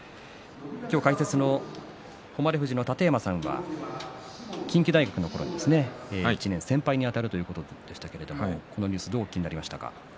今日、解説の誉富士の楯山さんは近畿大学のころに１年先輩にあたるということでこのニュースをどうお聞きになりましたか？